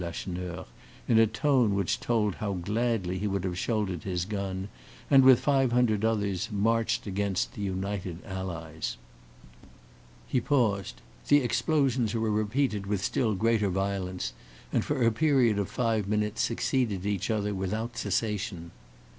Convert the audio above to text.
Lacheneur, in a tone which told how gladly he would have shouldered his gun, and, with five hundred others, marched against the united allies. He paused. The explosions were repeated with still greater violence, and for a period of five minutes succeeded each other without cessation.